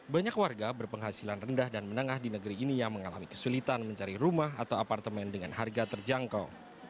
banyak warga berpenghasilan rendah dan menengah di negeri ini yang mengalami kesulitan mencari rumah atau apartemen dengan harga terjangkau